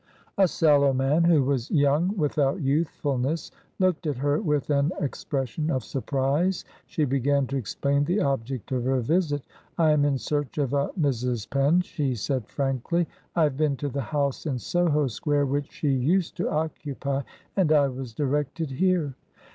A sallow man, who was young without youthfulness, looked at her with an expression of surprise. She began to explain the object of her visit. "I am in search of a Mrs. Penn," she said frankly. "I have been to the house in Soho Square which she used to occupy, and I was directed here."